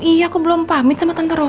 uh iya aku belum pamit sama tante rosa